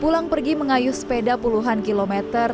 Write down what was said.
pulang pergi mengayuh sepeda puluhan kilometer